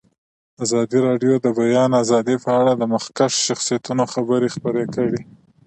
ازادي راډیو د د بیان آزادي په اړه د مخکښو شخصیتونو خبرې خپرې کړي.